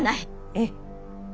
ええ。